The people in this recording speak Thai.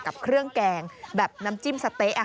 กับเครื่องแกงแบบน้ำจิ้มสะเต๊ะ